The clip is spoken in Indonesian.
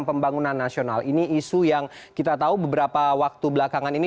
pembangunan nasional ini isu yang kita tahu beberapa waktu belakangan ini